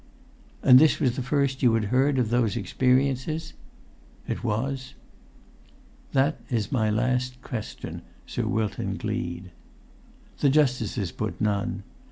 "And was this the first you had heard of those experiences?" "It was." "That is my last question, Sir Wilton Gleed." The justices put none.